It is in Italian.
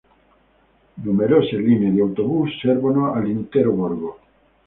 Numerose linee di autobus servono l'intero borgo.